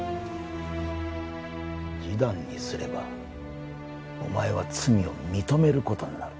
示談にすればお前は罪を認める事になる。